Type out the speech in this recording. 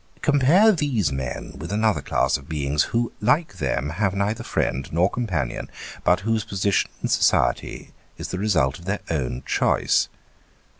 Compare these men with another class of beings who, like them, have neither friend nor companion, but whose position in society is the result of their own choice.